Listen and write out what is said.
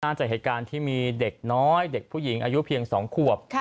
จากเหตุการณ์ที่มีเด็กน้อยเด็กผู้หญิงอายุเพียง๒ขวบ